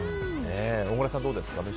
小倉さん、どうですか。